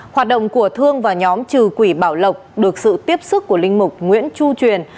hoạt động của thương và nhóm trừ quỷ bảo lộc được sự tiếp sức của linh mục nguyễn chu truyền